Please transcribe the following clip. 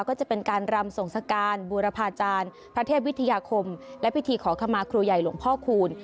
ก็จะเป็นการรำส่งสการบูรพาจารย์พระเทพวิทยาคมและพิธีขอขมาครูใหญ่หลวงพ่อคูณ